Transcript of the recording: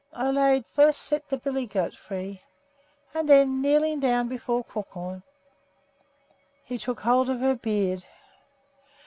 Ole first set the billy goat free, and then, kneeling down before Crookhorn, he took hold of her beard.